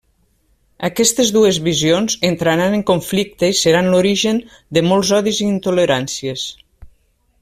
Aquestes dues visions entraran en conflicte i seran l'origen de molts odis i intoleràncies.